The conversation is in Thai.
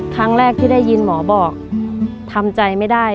ครั้งแรกที่ได้ยินหมอบอกทำใจไม่ได้